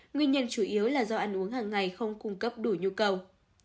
nguyên nhân chủ yếu là do ăn uống hàng ngày không cung cấp đủ nhu cầu